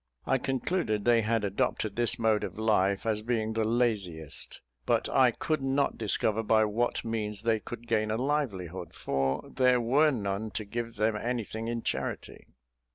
I concluded they had adopted this mode of life as being the laziest; but I could not discover by what means they could gain a livelihood, for there were none to give them anything in charity.